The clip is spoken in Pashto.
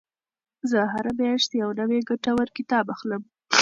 زه هره میاشت یو نوی ګټور کتاب اخلم.